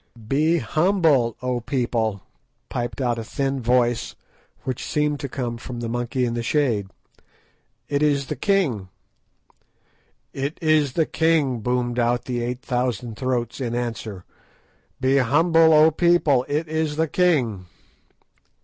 "Be humble, O people," piped out a thin voice which seemed to come from the monkey in the shade, "it is the king." "It is the king," boomed out the eight thousand throats in answer. "_Be humble, O people, it is the king.